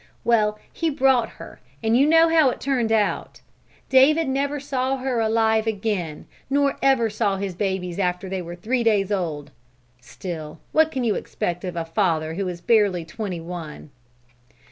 Well, he brought her, and you know how it turned out. David never saw her alive again, nor ever saw his babies after they were three days old. Still, what can you expect of a father who is barely twenty one?"